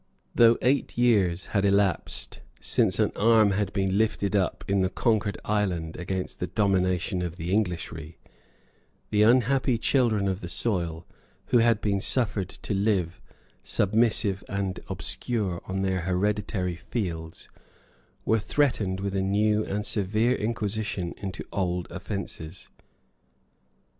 Though eight years had elapsed since an arm had been lifted up in the conquered island against the domination of the Englishry, the unhappy children of the soil, who had been suffered to live, submissive and obscure, on their hereditary fields, were threatened with a new and severe inquisition into old offences.